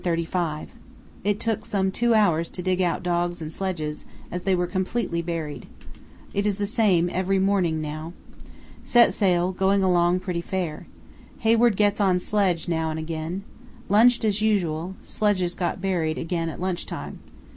It took some two hours to dig out dogs and sledges, as they were completely buried. It is the same every morning now. Set sail, going along pretty fair. Hayward gets on sledge now and again. Lunched as usual; sledges got buried again at lunch time.